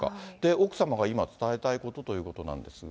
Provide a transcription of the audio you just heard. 奥様が今伝えたいことということなんですが。